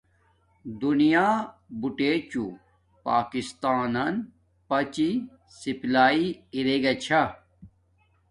دینا بوٹے چوُ پاکستانن پاچی سپلاݵݵ ارے گا چھا